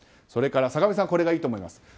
それから坂上さんはこれがいいと思います。